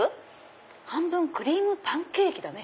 半分クリームパンケーキだね。